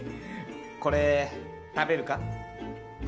これ食べるか？